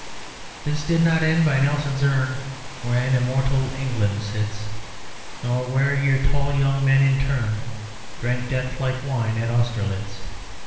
_ _This did not end by Nelson's urn Where an immortal England sits Nor where your tall young men in turn Drank death like wine at Austerlitz.